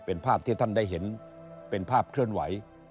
เป็นภาพที่ท่านได้เห็นเป็นภาพเคลื่อนไหว